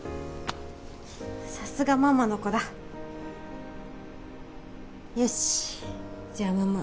さすがママの子だよしじゃあママ